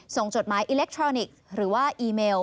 จดหมายอิเล็กทรอนิกส์หรือว่าอีเมล